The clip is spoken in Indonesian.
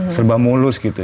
serba mulus gitu